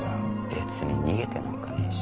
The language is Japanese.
別に逃げてなんかねえし。